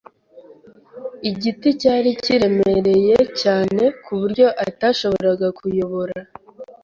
Igiti cyari kiremereye cyane kuburyo atashobora kuyobora.